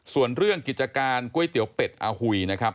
ส่วนเรื่องกิจการก๋วยเตี๋ยวเป็ดอาหุยนะครับ